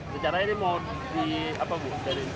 secara ini mau di apa bu